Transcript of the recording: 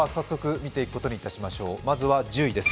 まずは１０位です。